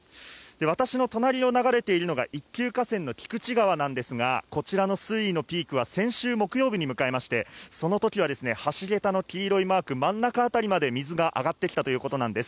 私の隣を流れているのは一級河川の菊池川ですが、こちらの水位のピークは先週木曜日に迎え、その時は橋げたの黄色いマーク真ん中あたりまで水が上がってきたということなんです。